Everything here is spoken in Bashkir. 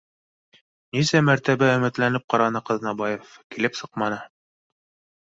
Нисә мәртәбә омөтләнеп ҡараны Ҡаҙнабаев, килеп сыҡманы